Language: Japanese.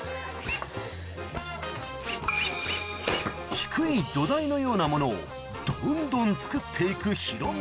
低い土台のようなものをどんどん作っていくヒロミ